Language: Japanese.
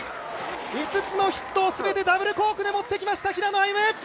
つのヒットを全てダブルコークで持ってきました平野歩夢！